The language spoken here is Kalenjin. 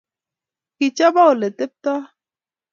Kichoba oleteptaa.